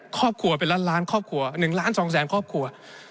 ครอบครัวเป็นล้านล้านครอบครัว๑ล้าน๒แสนครอบครัว